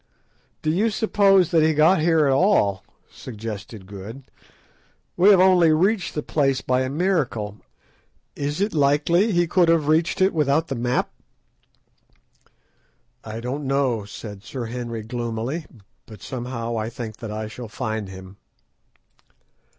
"Do you suppose that he got here at all?" suggested Good; "we have only reached the place by a miracle; is it likely he could have reached it without the map?" "I don't know," said Sir Henry gloomily, "but somehow I think that I shall find him."